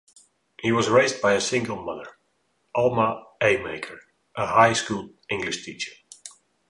He was raised by a single mother, Alma Amaker, a high school English teacher.